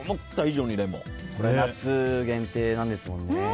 夏限定なんですもんね。